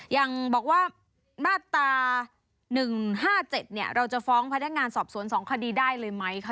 อย่างบอกว่ามาตรา๑๕๗เราจะฟ้องพนักงานสอบสวน๒คดีได้เลยไหมคะ